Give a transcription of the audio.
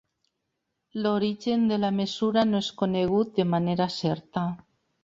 L'origen de la mesura no és conegut de manera certa.